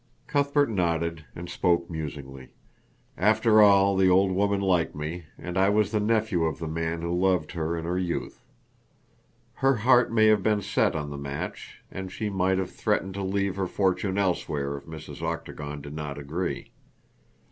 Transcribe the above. Cuthbert nodded and spoke musingly: "After all, the old woman liked me, and I was the nephew of the man who loved her in her youth. Her heart may have been set on the match, and she might have threatened to leave her fortune elsewhere if Mrs. Octagon did not agree.